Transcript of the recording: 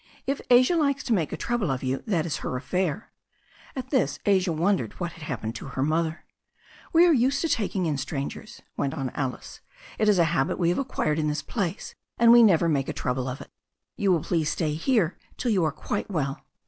If Asia likes to make a trouble of you that is her affair." At this Asia wondered what had happened to her mother. "We are used to taking in strangers," went on Alice. "It is a habit we have acquired in this place, and we never make a trouble of it You will please stay here till you are quite well."